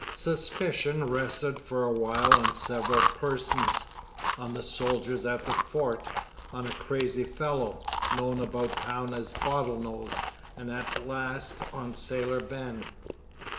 Suspicion rested for a while on several persons on the soldiers at the fort; on a crazy fellow, known about town as "Bottle Nose"; and at last on Sailor Ben.